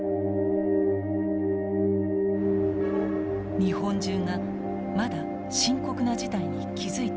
日本中がまだ深刻な事態に気付いていませんでした。